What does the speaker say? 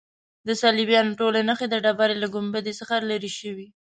د صلیبیانو ټولې نښې د ډبرې له ګنبد څخه لیرې شوې.